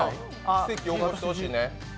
奇跡を起こしてほしいね。